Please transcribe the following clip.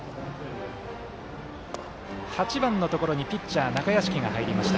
８番のところにピッチャー、中屋敷が入りました。